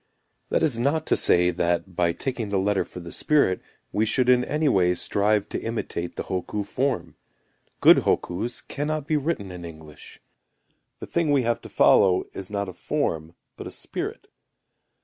That is not to say, that, by taking the letter for the spirit, we should in any way strive to imitate the hokku form. Good hokkus cannot be written in English. The thing we have to follow is not a form, but a spirit.